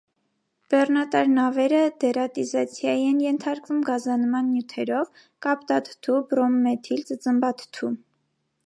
Բեռնատար նավերը դերատիզացիայի են ենթարկվում գազանման նյութերով՝ կապտաթթու, բրոմմեթիլ, ծծմբաթթու։